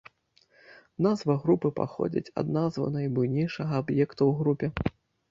Назва групы паходзіць ад назвы найбуйнейшага аб'екта ў групе.